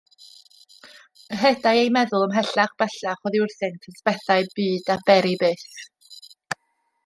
Ehedai ei meddwl ymhellach bellach oddi wrthynt at bethau byd a bery byth.